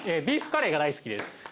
ビーフカレーが大好きです。